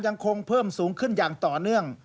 ยังคงเพิ่มสูงขึ้นอย่างต่อเนื่อง